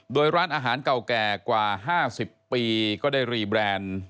โดยร้านอาหารเก่าแก่กว่า๕๐ปีก็ได้รีแบรนด์